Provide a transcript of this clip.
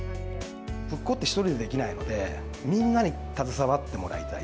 復興って１人でできないので、みんなに携わってもらいたい。